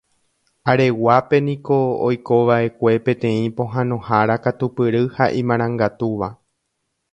Areguápe niko oikova'ekue peteĩ pohãnohára katupyry ha imarangatúva.